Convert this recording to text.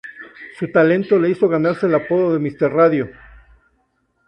Su talento le hizo ganarse el apodo de "Mr Radio".